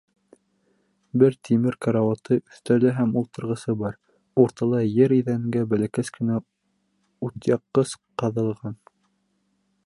Бер тимер карауаты, өҫтәле һәм ултырғысы бар, уртала ер иҙәнгә бәләкәс кенә утъяҡҡыс ҡаҙылған.